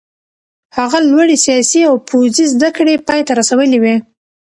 هغه لوړې سیاسي او پوځي زده کړې پای ته رسولې وې.